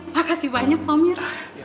makasih banyak pamir